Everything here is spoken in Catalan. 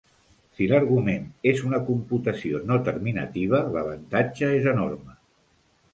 Si l'argument és una computació no terminativa, l'avantatge és enorme.